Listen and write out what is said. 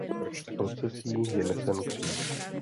V procesí je nesen kříž.